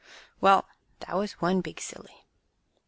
Well, that was one big silly.